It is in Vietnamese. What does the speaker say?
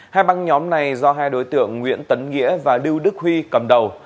hai băng nhóm này do hai đối tượng nguyễn tấn nghĩa và lưu đức huy cầm đầu